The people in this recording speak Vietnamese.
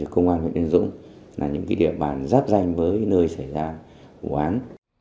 công an huyện yên dũng là những địa bàn giáp danh với nơi xảy ra vụ án